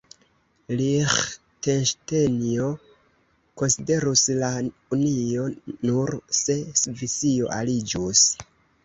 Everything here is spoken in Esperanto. Liĥtenŝtejno konsiderus la union, nur se Svisio aliĝus.